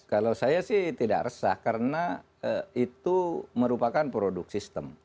kalau saya sih tidak resah karena itu merupakan produk sistem